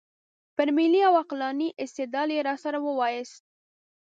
پر ملي او عقلاني استدلال یې راسره وایاست.